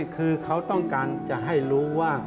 คือเขาต้องการจะให้รู้ว่า